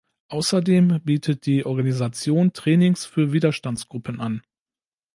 Außerdem bietet die Organisation Trainings für Widerstandsgruppen an.